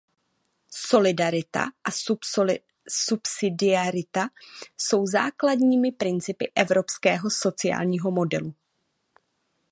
Solidarita a subsidiarita jsou základními principy evropského sociálního modelu.